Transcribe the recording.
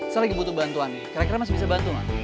saya lagi butuh bantuan kira kira mas bisa bantu gak